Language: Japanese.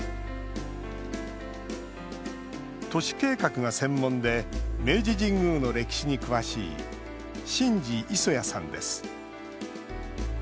都市計画が専門で明治神宮の歴史に詳しい進士五十八さんです。